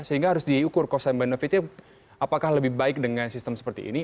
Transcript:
sehingga harus diukur cost and benefitnya apakah lebih baik dengan sistem seperti ini